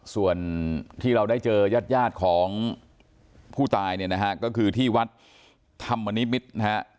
ส่วนที่เราได้เจอยาดของผู้ตายเนี่ยนะฮะก็คือที่วัดธรรมนิมิตรนะฮะ